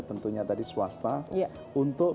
tentunya tadi swasta untuk